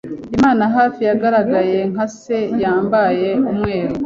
Imana hafi Yagaragaye nka se yambaye umweru